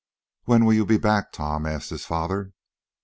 "When will you be back, Tom?" asked his father.